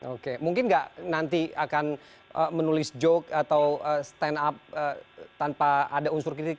oke mungkin nggak nanti akan menulis joke atau stand up tanpa ada unsur kritik